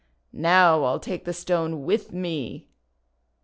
Now I'll take the Stone with me!"